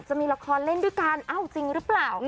จะมีละครเล่นด้วยกันเอ้าจริงหรือเปล่า